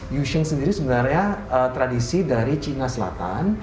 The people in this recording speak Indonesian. yushing sendiri sebenarnya tradisi dari cina selatan